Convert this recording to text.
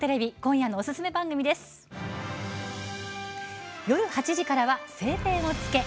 夜８時からは「青天を衝け」。